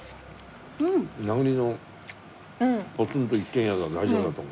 名栗のポツンと一軒宿は大丈夫だと思う。